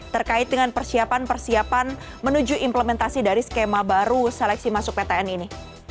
terkait dengan persiapan persiapan menuju implementasi dari skema baru seleksi masuk ptn ini